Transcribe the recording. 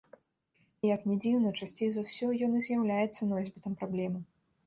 І, як не дзіўна, часцей за ўсё ён і з'яўляецца носьбітам праблемы.